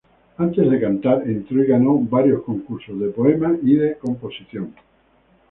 Antes de cantar, entró y ganó varios concursos de poema y de compositores.